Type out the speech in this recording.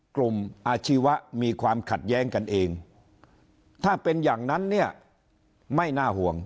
อาชีวะมีความขัดแย้งกันเองถ้าเป็นอย่างนั้นเนี่ยไม่น่าห่วง